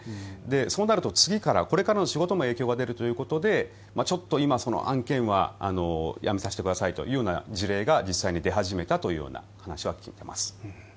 そうなると次からのこれからの仕事にも影響が出るということでちょっと今、案件はやめさせてくださいという事例が実際に出始めたというような話は聞いています。